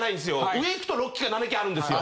上行くと６基か７基あるんですよ。